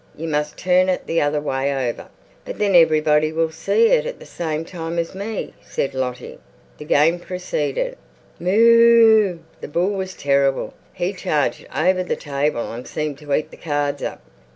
You must turn it the other way over." "But then everybody will see it the same time as me," said Lottie. The game proceeded. Mooe ooo er! The bull was terrible. He charged over the table and seemed to eat the cards up.